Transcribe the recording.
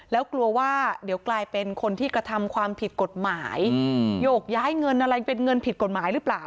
แล้วกลัวว่าเดี๋ยวกลายเป็นคนที่กระทำความผิดกฎหมายโยกย้ายเงินอะไรเป็นเงินผิดกฎหมายหรือเปล่า